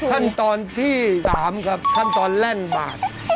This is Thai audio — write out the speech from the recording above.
ขั้นตอนที่๓ครับขั้นตอนแล่นบาท